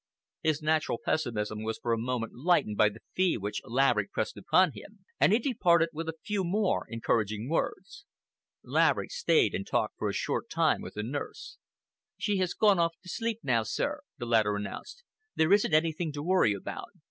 His natural pessimism was for a moment lightened by the fee which Laverick pressed upon him, and he departed with a few more encouraging words. Laverick stayed and talked for a short time with the nurse. "She has gone off to sleep now, sir," the latter announced. "There isn't anything to worry about.